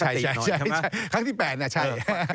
ใช่ครั้งที่๘น่ะใช่